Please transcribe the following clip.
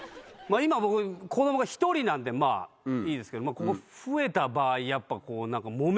今僕子供が１人なんでまぁいいですけど増えた場合やっぱ。